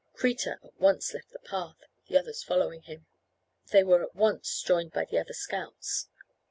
Kreta at once left the path, the others following him. They were at once joined by the other scouts.